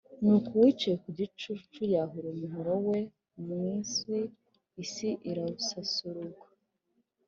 Nuko uwicaye ku gicu yahura umuhoro we mu isi, isi irasarurwa.